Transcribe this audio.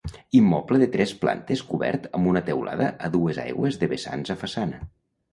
Immoble de tres plantes cobert amb una teulada a dues aigües de vessants a façana.